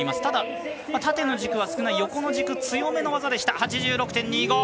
ただ、縦の軸は少ない横の軸が強めの技でした。